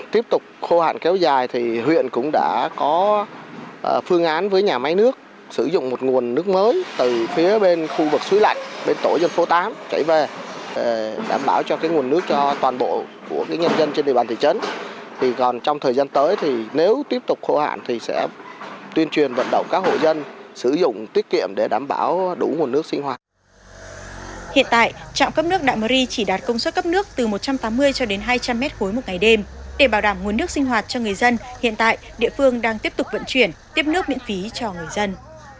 trạm cấp nước đạm mưu ri chỉ đạt công suất cấp nước từ một trăm tám mươi cho đến hai trăm linh mét khối một ngày đêm để bảo đảm nguồn nước sinh hoạt cho người dân hiện tại địa phương đang tiếp tục vận chuyển tiếp nước miễn phí cho người dân